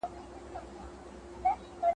نارې د حق دي زیندۍ په ښار کي `